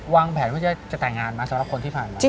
วางแผนว่าจะแต่งงานไหมสำหรับคนที่ผ่านมา